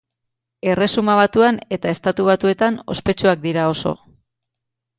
Erresuma Batuan eta Estatu Batuetan ospetsuak dira oso.